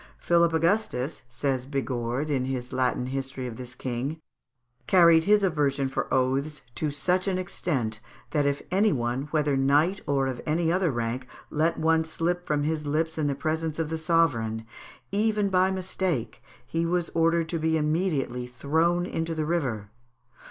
"Philip Augustus," says Bigord, in his Latin history of this king, "carried his aversion for oaths to such an extent, that if any one, whether knight or of any other rank, let one slip from his lips in the presence of the sovereign, even by mistake, he was ordered to be immediately thrown into the river."